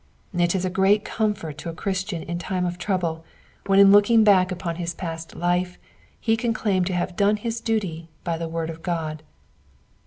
It is a ^eat comfort to a Christian in time of trouble when in looking back upon his past life he can claim to have done his duty by the word of God.